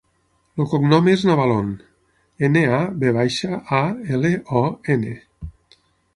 El cognom és Navalon: ena, a, ve baixa, a, ela, o, ena.